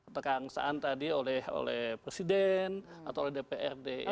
tekangsaan tadi oleh presiden atau dprd